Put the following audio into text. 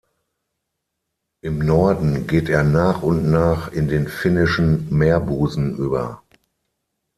Im Norden geht er nach und nach in den Finnischen Meerbusen über.